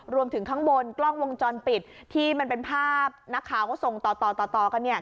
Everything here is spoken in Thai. รวมถึงข้างบนกล้องวงจรปิดที่มันเป็นภาพนักข่าวส่งต่อกัน